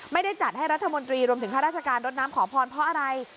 ไม่ได้จัดให้รัฐมนตรีรวมถึงข้าราชการรถน้ำขอพรเพราะอะไร